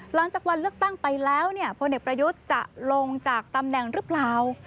หลังจากวันเลือกตั้งไปแล้วเนี่ยพลเอกประยุทธ์จะลงจากตำแหน่งหรือเปล่า